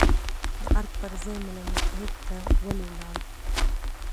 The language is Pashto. د ارګ پر ځای ملل متحد ته ولې لاړ،